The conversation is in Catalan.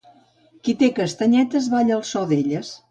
Qui té castanyetes balla al so d'elles.